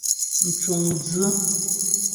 Mcuŋdzʉ́.